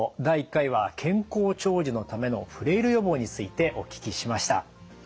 第１回は「健康長寿」のためのフレイル予防についてお聞きしました。